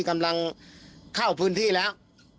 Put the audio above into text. กำลังเข้าพื้นที่แล้ว